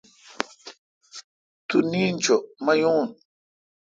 تو نیند چو مہ یون۔